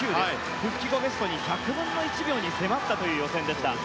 復帰後ベストに１００分の１秒に迫ったという予選でした。